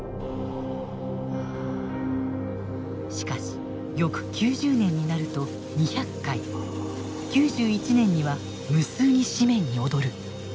しかし翌９０年になると２００回９１年には無数に紙面に躍る。